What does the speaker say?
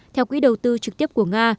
theo quỹ đầu tư trực tiếp của nga